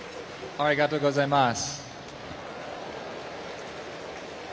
ありがとうございます。